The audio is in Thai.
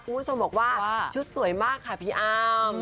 คุณผู้ชมบอกว่าชุดสวยมากค่ะพี่อ้ำ